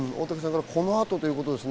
この後ということですね。